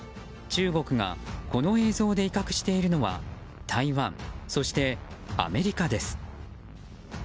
中国がこの映像で威嚇しているのは台湾そして、アメリカです。